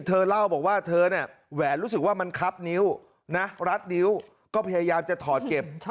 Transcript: เธอเล่าบอกว่าเธอเนี่ยแหวนรู้สึกว่ามันคับนิ้วนะรัดนิ้วก็พยายามจะถอดเก็บ